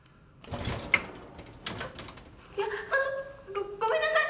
あっいやあのごごめんなさい！